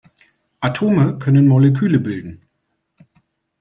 Atome können Moleküle bilden.